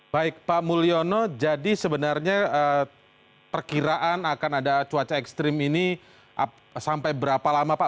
baik pak mulyono jadi sebenarnya perkiraan akan ada cuaca ekstrim ini sampai berapa lama pak